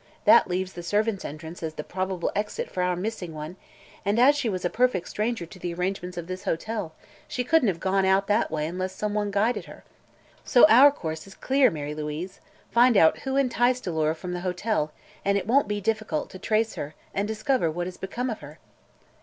That leaves the servants' entrance as the probable exit for our missing one, and as she was a perfect stranger to the arrangements of this hotel, she couldn't have gone that way unless someone guided her. So our course is clear, Mary Louise. Find out who enticed Alora from the hotel and it won't be difficult to trace her and discover what has become of her."